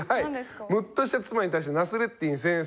ムッとした妻に対してナスレッディン先生